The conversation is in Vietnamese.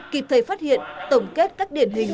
kịp thời phát hiện tổng kết các điển hình